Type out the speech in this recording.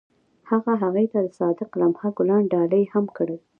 هغه هغې ته د صادق لمحه ګلان ډالۍ هم کړل.